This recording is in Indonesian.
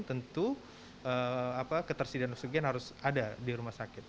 tentu ketersediaan oksigen harus ada di rumah sakit